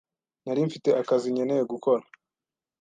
Nari mfite akazi nkeneye gukora.